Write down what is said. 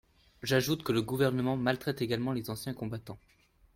J’ajoute que le Gouvernement maltraite également les anciens combattants.